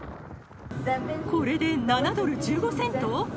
これで７ドル１５セント？